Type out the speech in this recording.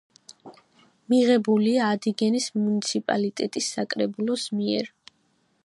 მიღებულია ადიგენის მუნიციპალიტეტის საკრებულოს მიერ.